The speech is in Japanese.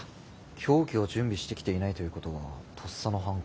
凶器を準備してきていないということはとっさの犯行。